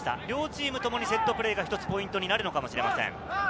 両チームともにセットプレーが一つポイントになるのかもしれません。